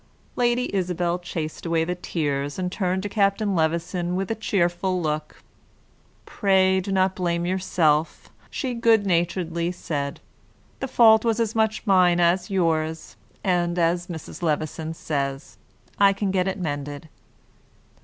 Lady Isabel chased away the tears, and turned to Captain Levison with a cheerful look. "Pray do not blame yourself," she good naturedly said; "the fault was as much mine as yours; and, as Mrs. Levison says, I can get it mended."